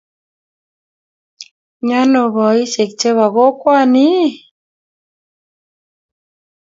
Miano boisiek chebo kokwani?